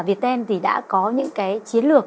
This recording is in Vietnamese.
viettel thì đã có những cái chiến lược